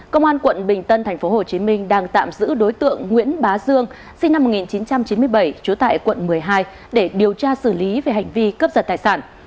công an quận bình tân tp hcm đang tạm giữ đối tượng nguyễn bá dương sinh năm một nghìn chín trăm chín mươi bảy trú tại quận một mươi hai để điều tra xử lý về hành vi cướp giật tài sản